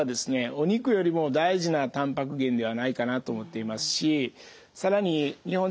お肉よりも大事なたんぱく源ではないかなと思っていますし更に日本人は工夫してですね